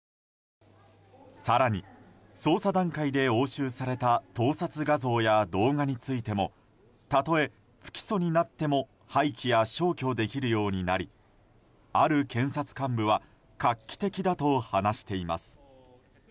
更に、捜査段階で押収された盗撮画像や動画についてもたとえ不起訴になっても廃棄や消去できるようになりある検察幹部は画期的だと話しています。